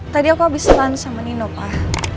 tadi aku habis selan sama nino pak